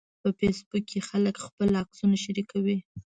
په فېسبوک کې خلک خپل عکسونه شریکوي